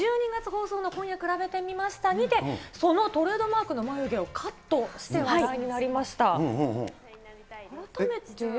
去年１２月放送の今夜くらべてみましたにて、そのトレードマークの眉毛をカットして話題になりました。